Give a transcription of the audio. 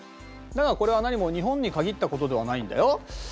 だがこれはなにも日本に限ったことではないんだよ。